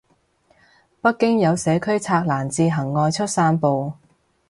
北京有社區拆欄自行外出散步